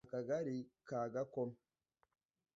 Akagari ka Gakoma